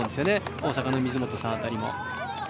大阪の水本さん辺りも。